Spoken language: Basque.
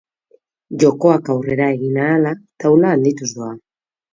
Jokoak aurrera egin ahala, taula handituz doa.